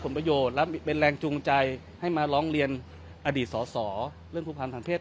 ประโยชน์และเป็นแรงจูงใจให้มาร้องเรียนอดีตสอสอเรื่องผู้พันธ์ทางเพศ